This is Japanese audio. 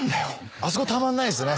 あそこたまんないですね。